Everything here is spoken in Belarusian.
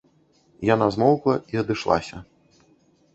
Яна змоўкла і адышлася.